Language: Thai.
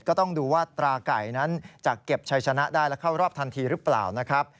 ก็ต้องดูว่าตราไก่นั้นจะเก็บชัยชนะได้และเข้ารอบทันทีหรือเปล่านะครับ